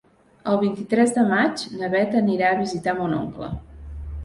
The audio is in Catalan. El vint-i-tres de maig na Bet anirà a visitar mon oncle.